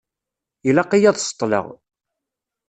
Ilaq-iyi ad ṣeṭṭeleɣ.